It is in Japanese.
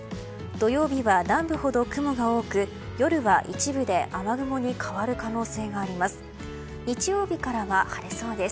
土曜日は南部ほど雲が多く夜は一部で雨雲に変わる可能性があります。